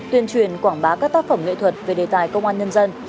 tuyên truyền quảng bá các tác phẩm nghệ thuật về đề tài công an nhân dân